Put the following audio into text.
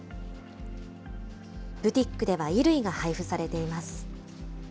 ブティックでは衣類が配布されています。